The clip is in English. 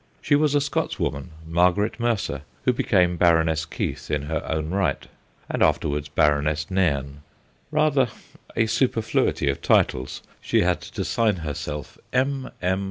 She was a Scotswoman, Margaret Mercer, who became Baroness Keith in her own right, and afterwards Baroness Nairne. Eather a superfluity of titles : she had to sign herself M. M.